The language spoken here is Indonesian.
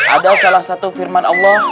ada salah satu firman allah